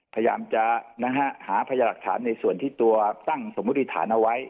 พยายามจะหาพยาหลักฐานในส่วนที่ตัวตั้งสมมุติฐานเอาไว้